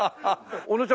小野ちゃん。